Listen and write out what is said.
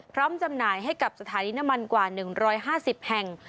จำหน่ายให้กับสถานีน้ำมันกว่า๑๕๐แห่ง